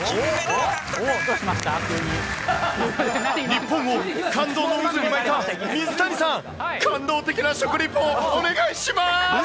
日本を感動の渦に巻いた水谷さん、感動的な食リポ、お願いします！